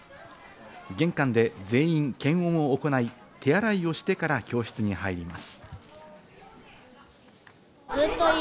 玄関で全員検温を行い、手洗いをしてから教室に入ります。